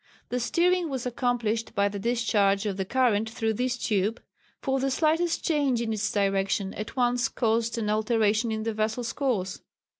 The steering was accomplished by the discharge of the current through this tube, for the slightest change in its direction at once caused an alteration in the vessel's course.